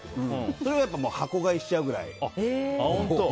それは箱買いしちゃうくらい。